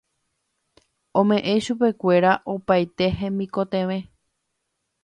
ome'ẽ chupekuéra opaite hemikotevẽ